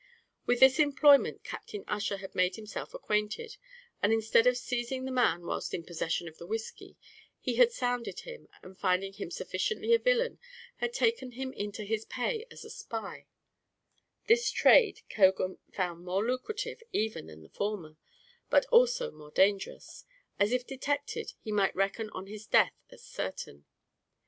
With this employment Captain Ussher had made himself acquainted, and instead of seizing the man whilst in possession of the whiskey, he had sounded him, and finding him sufficiently a villain, had taken him into his pay as a spy; this trade Cogan found more lucrative even than the former, but also more dangerous; as if detected he might reckon on his death as certain.